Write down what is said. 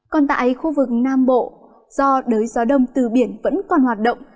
còn tại khu vực nam bộ do đới gió đông từ biển vẫn còn hoạt động